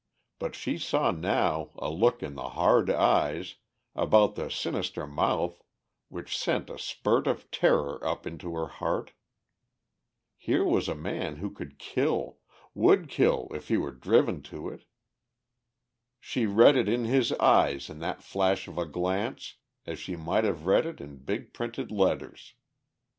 But she saw now a look in the hard eyes, about the sinister mouth, which sent a spurt of terror up into her heart. Here was a man who could kill, would kill if he were driven to it. She read it in his eyes in that flash of a glance as she might have read it in big printed letters.